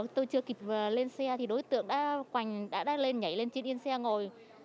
tôi chưa kịp lên xe thì đối tượng đã lên nhảy lên trên yên xe ngồi